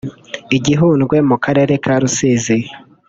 I Gihundwe mu karere ka Rusizi